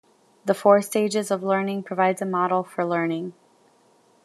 The Four Stages of Learning provides a model for learning.